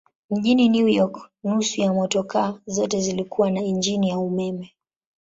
Mjini New York nusu ya motokaa zote zilikuwa na injini ya umeme.